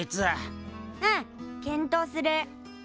うん検討する。